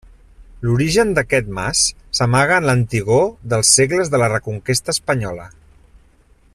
L'origen d'aquest mas s'amaga en l'antigor dels segles de la Reconquesta Espanyola.